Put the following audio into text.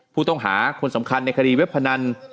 ผู้ต้องหาคนสำคัญในคดีเว็บพนัน